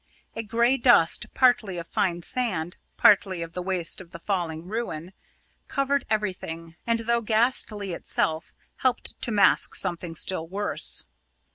A grey dust, partly of fine sand, partly of the waste of the falling ruin, covered everything, and, though ghastly itself, helped to mask something still worse.